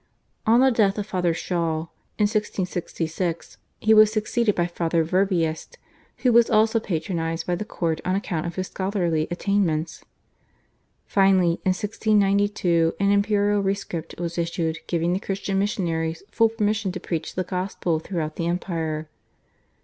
On the death of Father Schall in 1666, he was succeeded by Father Verbiest who was also patronised by the court on account of his scholarly attainments. Finally in 1692 an imperial rescript was issued giving the Christian missionaries full permission to preach the gospel throughout the empire.